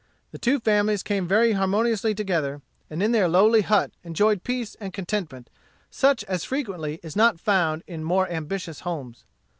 The two families came very harmoniously together, and in their lowly hut enjoyed peace and contentment such as frequently is not found in more ambitious homes.